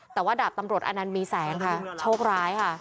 แต่ว่าดาบตำรวจอนันต์มีแสงค่ะโชคร้ายค่ะ